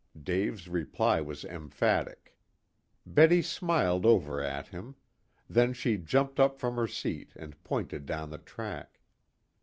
Dave's reply was emphatic. Betty smiled over at him. Then she jumped up from her seat and pointed down the track.